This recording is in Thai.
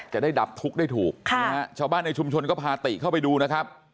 จะได้ดับทุกข์ได้ถูกชาวบ้านในชุมชนก็พาติเข้าไปดูนะครับ